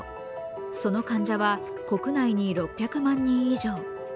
その患者は国内に６００万人以上。